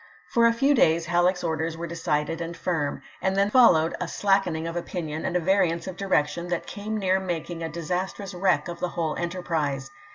For a few days Halleck's orders were decided and firm; then there followed a slack ening of opinion and a variance of direction that came near making a disastrous wi'eek of the whole enterprise.